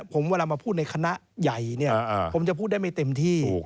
ผมเวลามาพูดในคณะใหญ่เนี่ยผมจะพูดได้ไม่เต็มที่